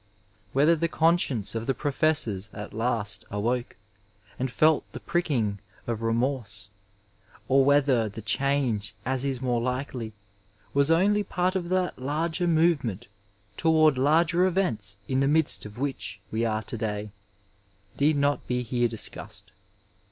Whether the conscience of the professors at last awoke, and felt the pricking of remorse, or whether the change, as is more likely, was only part of that larger movement toward lai^r events in the midst of which we are to day, need not be here discussed.